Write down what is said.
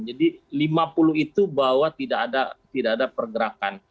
jadi lima puluh itu bahwa tidak ada pergerakan